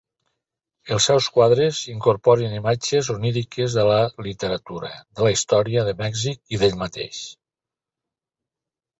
Els seus quadres incorporen imatges oníriques de la literatura, de la història de Mèxic i d'ell mateix.